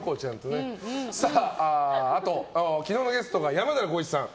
あと、昨日のゲストが山寺宏一さん。